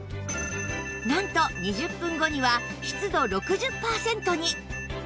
なんと２０分後には湿度６０パーセントに